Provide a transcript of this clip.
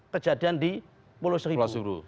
kejadian di pulau seribu